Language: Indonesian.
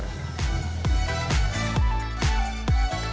jangan demam masa mau makin younger